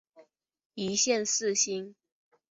一线四星。